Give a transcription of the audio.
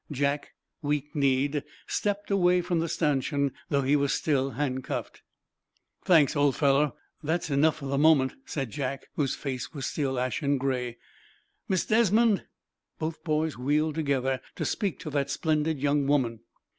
Jack, weak kneed, stepped away from the stanchion, though he was still handcuffed. "Thanks, old fellow. That's enough for the moment," said Jack, whose face was still ashen gray. "Miss Desmond " Both boys wheeled together to speak to that splendid young woman.